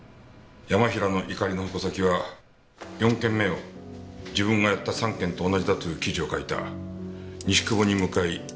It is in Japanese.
山平の怒りの矛先は４件目を自分がやった３件と同じだという記事を書いた西窪に向かい。